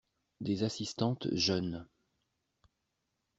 Des assistantes jeûnent.